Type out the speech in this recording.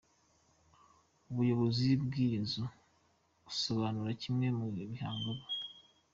Umuyobozi w’iyi nzu asobanura kimwe mu bihangano.